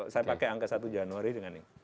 saya pakai angka satu januari dengan ini